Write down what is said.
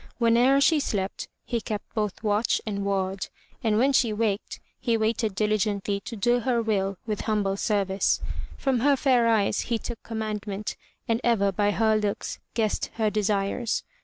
Whene'er she slept, he kept both watch and ward, and when she waked, he waited diligently to do her will with himible service. From her fair eyes he took commandment and ever by her looks guessed her desires.